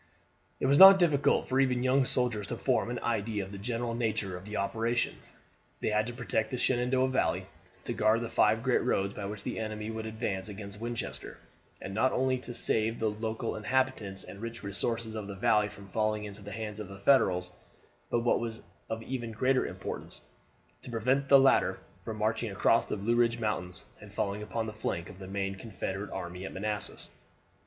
It was not difficult for even young soldiers to form an idea of the general nature of the operations. They had to protect the Shenandoah Valley, to guard the five great roads by which the enemy would advance against Winchester, and not only to save the loyal inhabitants and rich resources of the valley from falling into the hands of the Federals, but what was of even greater importance, to prevent the latter from marching across the Blue Ridge Mountains, and falling upon the flank of the main Confederate army at Manassas.